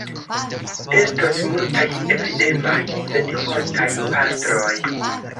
Estos multaj avidemaj senhontaj pastroj.